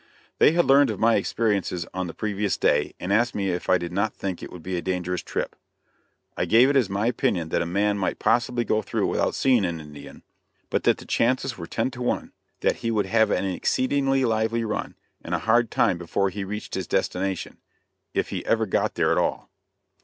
They had learned of my experiences of the previous day, and asked me if I did not think it would be a dangerous trip. I gave it as my opinion that a man might possibly go through without seeing an Indian, but that the chances were ten to one that he would have an exceedingly lively run and a hard time before he reached his destination, if he ever got there at all.